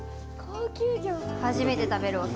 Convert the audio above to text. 初めて食べるお魚。